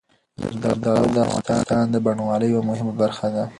زردالو د افغانستان د بڼوالۍ یوه مهمه برخه ده.